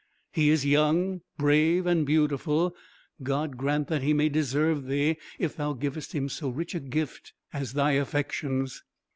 He is young, brave, and beautiful. God grant that he may deserve thee, if thou givest him so rich a gift as thy affections."